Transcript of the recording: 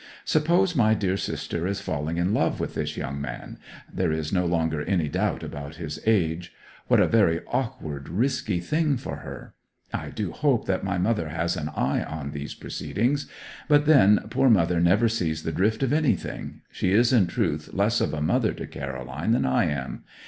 Suppose my dear sister is falling in love with this young man there is no longer any doubt about his age; what a very awkward, risky thing for her! I do hope that my mother has an eye on these proceedings. But, then, poor mother never sees the drift of anything: she is in truth less of a mother to Caroline than I am.